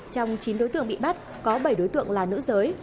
trong chín đối tượng bị bắt có bảy đối tượng là nữ giới